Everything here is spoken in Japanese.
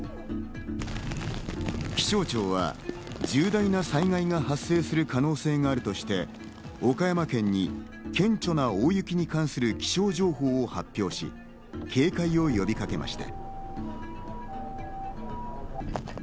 気象庁は重大な災害が発生する可能性があるとして、岡山県に「顕著な大雪に関する気象情報」を発表し、警戒を呼びかけました。